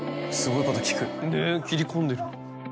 ねぇ切り込んでる。